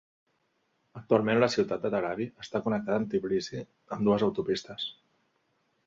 Actualment, la ciutat de Telavi està connectada amb Tbilisi amb dues autopistes.